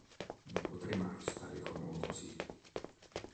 Non potrei mai stare con uno così.